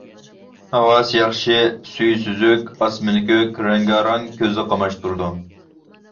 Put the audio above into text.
ھاۋاسى ياخشى، سۈيى سۈزۈك، ئاسمىنى كۆك، رەڭگارەڭ، كۆزنى قاماشتۇرىدۇ.